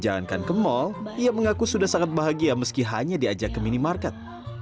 jangan kan ke mall ia mengaku sudah sangat bahagia meski hanya diajak ke minimarket